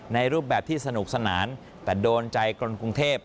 รูปแบบที่สนุกสนานแต่โดนใจคนกรุงเทพ